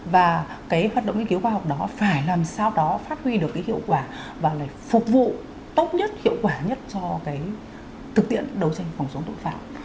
và cái hoạt động nghiên cứu khoa học đó phải làm sao đó phát huy được cái hiệu quả và lại phục vụ tốt nhất hiệu quả nhất cho cái thực tiễn đấu tranh phòng chống tội phạm